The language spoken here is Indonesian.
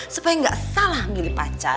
supaya gak salah ngambil pacar